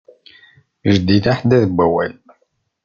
Jeddi d aḥeddad n wawal.